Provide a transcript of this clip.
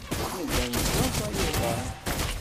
Nella neslaẓay iḍan.